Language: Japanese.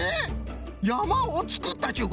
やまをつくったっちゅうこと！？